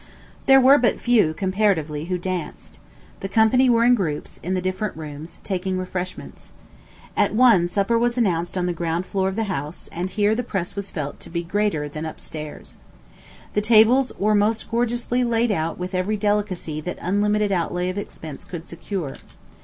There were but few comparatively who danced. The company were in groups, in the different rooms, taking refreshments. At one, supper was announced on the ground floor of the house; and here the press was felt to be greater than up stairs. The tables were most gorgeously laid out with every delicacy that unlimited outlay of expense could secure.